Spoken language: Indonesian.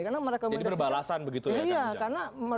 jadi perbalasan begitu ya kang ujang